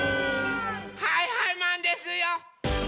はいはいマンですよ！